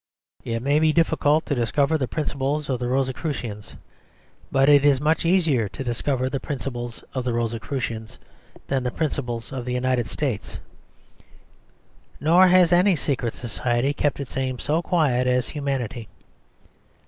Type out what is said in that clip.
It may be difficult to discover the principles of the Rosicrucians, but it is much easier to discover the principles of the Rosicrucians than the principles of the United States: nor has any secret society kept its aims so quiet as humanity.